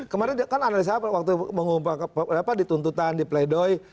kemarin kan analisa waktu mengumpulkan di tuntutan di pleidoy